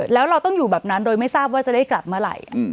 แล้วเราต้องอยู่แบบนั้นโดยไม่ทราบว่าจะได้กลับเมื่อไหร่